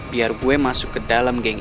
biar gue masuk ke dalam geng